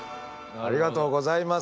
ありがとうございます。